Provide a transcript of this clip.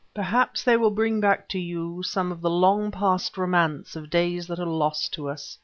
Perhaps they will bring back to you some of the long past romance of days that are lost to us.